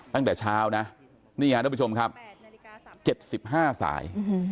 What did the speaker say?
ตั้งแต่เช้านะนี่ฮะทุกผู้ชมครับเจ็บสิบห้าสาย